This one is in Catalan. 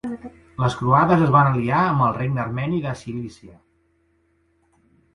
Les croades es van aliar amb el Regne Armeni de Cilícia.